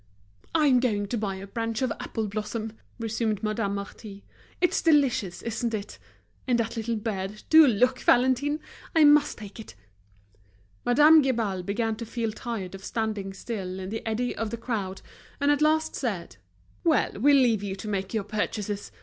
"I'm going to buy a branch of apple blossom," resumed Madame Marty. "It's delicious, isn't it? And that little bird, do look, Valentine. I must take it!" Madame Guibal began to feel tired of standing still in the eddy of the crowd, and at last said: "Well, we'll leave you to make your purchases.